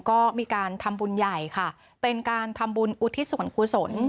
ก็มีการทำบุญใหญ่ค่ะเป็นการทำบุญอุทิศส่วนกุศล